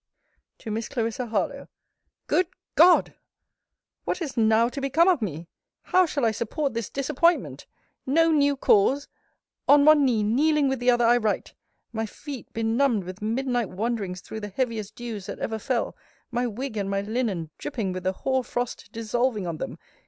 TO MISS CLARISSA HARLOWE GOOD GOD! What is now to become of me! How shall I support this disappointment! No new cause! On one knee, kneeling with the other, I write! My feet benumbed with midnight wanderings through the heaviest dews that ever fell: my wig and my linen dripping with the hoar frost dissolving on them!